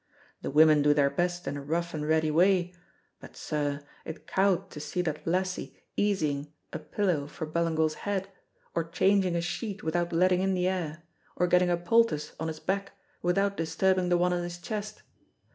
The women do their best in a rough and ready way; but, sir, it cowed to see that lassie easying a pillow for Ballingall's head, or changing a sheet without letting in the air, or getting a poultice on his back without disturbing the one on his chest.